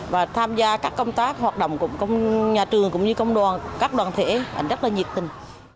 và tham gia các công tác hoạt động của nhà trường cũng như các đoàn thể ảnh rất là nhiệt tình